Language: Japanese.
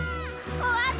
おわった！